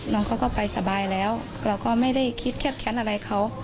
น้องเขาก็ไปสบายแล้วเราก็ไม่ได้คิดแคบแค้นอะไรเขา